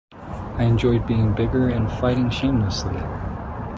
I enjoyed being bigger and fighting shamelessly.